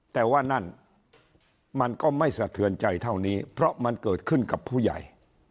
แต่ว่านั่นมันก็ไม่สะเทือนใจเท่านี้เพราะมันเกิดขึ้นกับผู้ใหญ่